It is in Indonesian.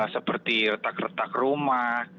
seperti retak retak rumah